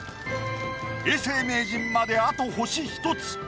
永世名人まであと星１つ！